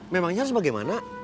memangnya harus bagaimana